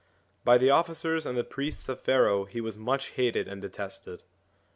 By the officers and the priests of Pharaoh he was much hated and detested.